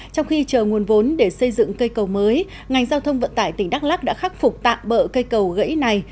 trong khi chờ nguồn vốn để xây dựng cây cầu mới ngành giao thông vận tải tỉnh đắk lắc đã khắc phục tạm bỡ cây cầu gãy này